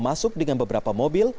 masuk dengan beberapa mobil